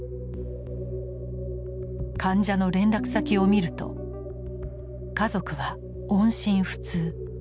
患者の連絡先を見ると「家族は音信不通」。